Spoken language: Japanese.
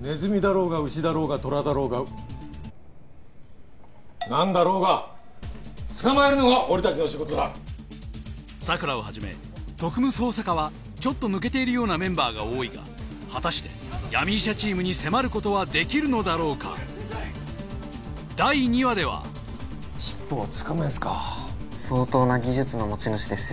ネズミだろうがウシだろうがトラだろうが何だろうが捕まえるのが俺達の仕事だ佐倉をはじめ特務捜査課はちょっと抜けているようなメンバーが多いが果たして闇医者チームに迫ることはできるのだろうか第２話では尻尾はつかめずか相当な技術の持ち主ですよ